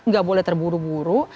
gak boleh terburu buru